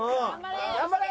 頑張れ！